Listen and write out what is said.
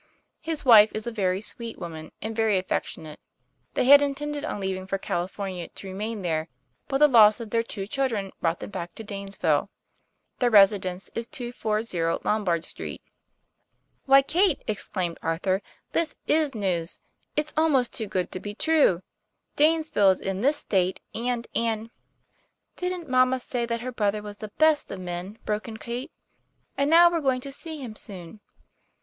His wife is a very sweet woman and very affectionate. They had intended on leaving for California to remain there; but the loss of their two children brought them back to Danesville. Their residence is 240 Lombard St." "Why, Kate," exclaimed Arthur, "this is news. It's almost too good to be true. Danesville is in this State, and and "" Didn't mamma say that her brother was the best of men? " broke in Kate. " And now we're going to see him soon."